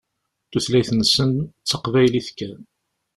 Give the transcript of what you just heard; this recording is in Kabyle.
Tutlayt-nsen d taqbaylit kan.